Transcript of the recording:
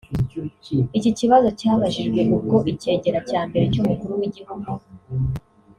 Iki kibazo cyabajijwe ubwo icyegera cya mbere cy’umukuru w’igihugu